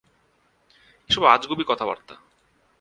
এসব আজগুবি কথাবার্তা!